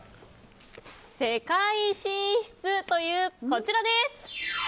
世界進出という、こちらです。